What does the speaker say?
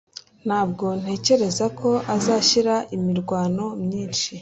Ntabwo ntekereza ko azashyira imirwano myinshi.